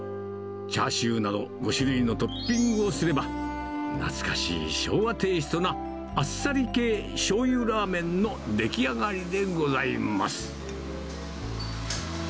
チャーシューなど５種類のトッピングをすれば、懐かしい昭和テイストな、あっさり系しょうゆラーメンの出来上がりでございます。